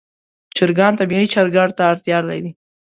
چرګان طبیعي چرګړ ته اړتیا لري.